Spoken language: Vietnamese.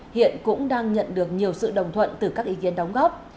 hiện cũng đang nhận được nhiều sự đồng thuận từ các ý kiến đóng góp